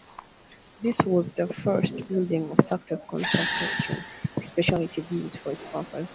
This was the first building of Sussex Consortium specially built for its purpose.